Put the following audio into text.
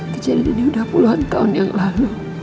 kejadian ini sudah puluhan tahun yang lalu